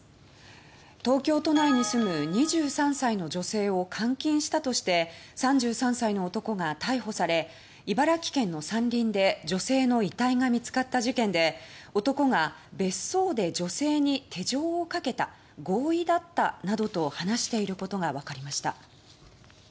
東京都内に住む２３歳の女性を監禁したとして３３歳の男が逮捕され茨城県の山林で女性が遺体で見つかった事件で男が「別荘で女性に手錠をかけた合意だった」などと話していることがわかりました。